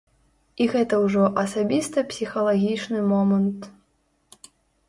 І гэта ўжо асабіста-псіхалагічны момант.